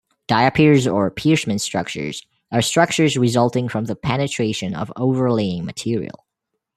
Diapirs or piercement structures are structures resulting from the penetration of overlaying material.